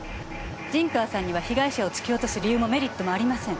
陣川さんには被害者を突き落とす理由もメリットもありません。